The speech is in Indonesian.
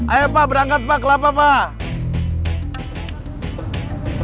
ayo pak berangkat pak kelapa pak